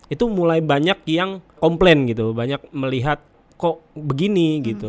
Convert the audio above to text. itu mulai banyak yang komplain gitu banyak melihat kok begini gitu